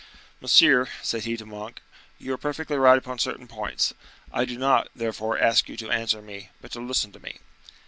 "Monsieur," said he to Monk, "you are perfectly right upon certain points; I do not, therefore, ask you to answer me, but to listen to me."